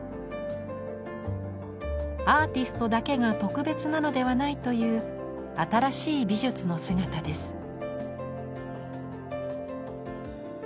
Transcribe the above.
アーティストだけが特別なのではないという新しい美術の姿です。